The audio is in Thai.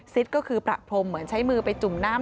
ก็คือประพรมเหมือนใช้มือไปจุ่มน้ำ